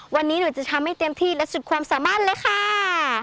วันนี้หนูจะทำให้เต็มที่และสุดความสามารถเลยค่ะ